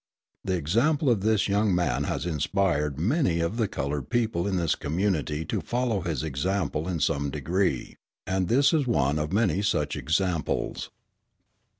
The example of this young man has inspired many of the coloured people in this community to follow his example in some degree; and this is one of many such examples.